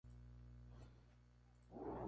Ayuntamiento de Don Benito".